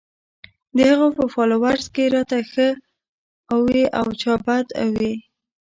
د هغه پۀ فالوورز کښې راته چا ښۀ اووې او چا بد اووې